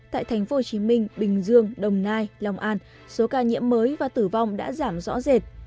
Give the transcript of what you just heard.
tại thành phố hồ chí minh bình dương đồng nai lòng an số ca nhiễm mới và tử vong đã giảm rõ rệt